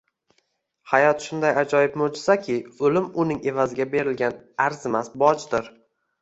Hayot shunday ajoyib mo``jizaki, o`lim uning evaziga berilgan arzimas bojdir